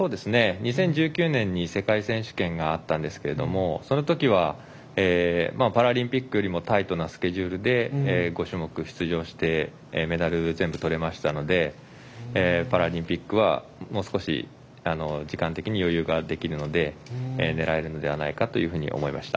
２０１９年に世界選手権があったんですけどそのときはパラリンピックよりもタイトなスケジュールで５種目出場してメダル全部取れましたのでパラリンピックはもう少し時間的に余裕ができるので狙えるのではないかというふうに思いました。